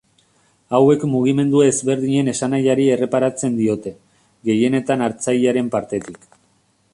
Hauek mugimendu ezberdinen esanahiari erreparatzen diote, gehienetan hartzailearen partetik.